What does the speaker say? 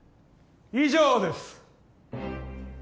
以上です